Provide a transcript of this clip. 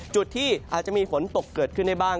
จุดที่อาจจะมีฝนตกเกิดขึ้นได้บ้าง